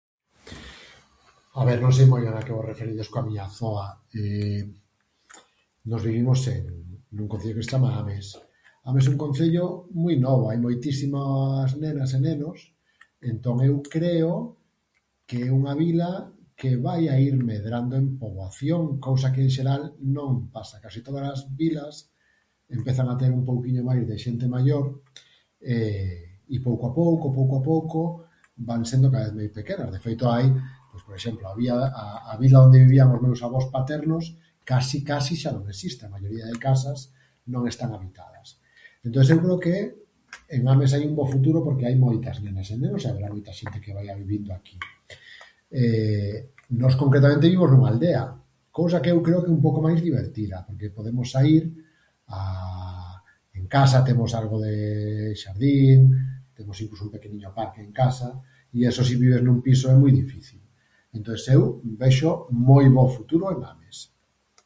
A ver, non sei moi ben a que vos referides coa miña zoa. Nós vivimos en, nun concello que se chama Ames. Ames é un concello moi novo, hai moitísimas nenas e nenos, entón eu creo que é unha vila que vai a ir medrando en poboación, cousa que en xeral non pasa, en case todas as vilas empezan a ter un pouquiño máis de xente maior e i pouco a pouco, pouco a pouco van sendo cada vez máis pequenas, de feito hai, pois, por exemplo, a a vila onde vivían os meus avós paternos case case xa non existe, a maioría de casas non están habitadas. Entonces eu creo que en Ames hai un bo futuro porque hai moitas nenas e nenos e haberá moita xente que vaia vivindo aquí. Nós concretamente vivimos nunha aldea, cousa que eu creo que é un pouco máis divertida, podemos saír a en casa, temos algo de xardín, temos incluso un pequeniño parque en casa i eso se vives nun piso é moi difícil, entonces eu vexo moi bo futuro en Ames.